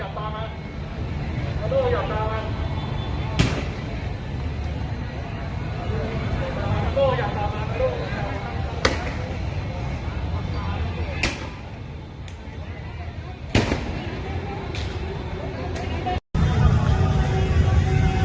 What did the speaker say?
แสงสวัสดิ์นะครับ